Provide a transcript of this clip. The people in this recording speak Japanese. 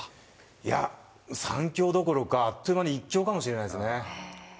いや、３強どころか、あっという間に１強かもしれないですね。